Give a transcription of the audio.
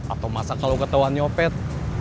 atau masa kalau ketauan nyopet